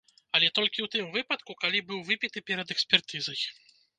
Але толькі у тым выпадку, калі быў выпіты перад экспертызай.